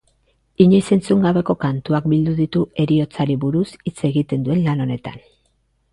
Inoiz entzun gabeko kantuak bildu ditu heriotzari buruz hitz egiten duen lan honetan.